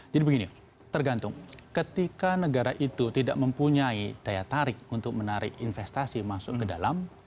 jadi begini tergantung ketika negara itu tidak mempunyai daya tarik untuk menarik investasi masuk ke dalam